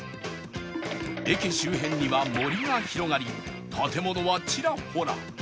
駅周辺には森が広がり建物はちらほら